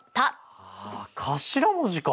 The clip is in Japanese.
ああ頭文字か！